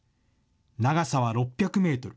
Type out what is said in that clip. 長さは６００メートル。